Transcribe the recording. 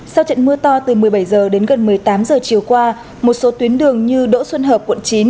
sau trận mưa to từ một mươi bảy h đến gần một mươi tám h chiều qua một số tuyến đường như đỗ xuân hợp quận chín